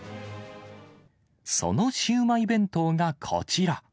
そのシウマイ弁当がこちら。